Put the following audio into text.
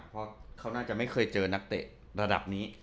เพราะเขาน่าจะไม่เคยเจอนักเตะระดับนี้